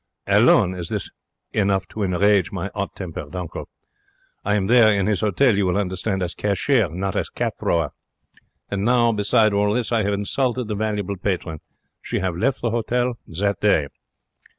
Alone is this enough to enrage my 'ot tempered uncle. I am there in his hotel, you will understand, as cashier, not as cat thrower. And now, besides all this, I have insulted valuable patron. She 'ave left the hotel that day.